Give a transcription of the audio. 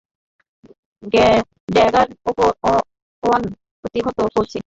Dagger one প্রতিহত করছি।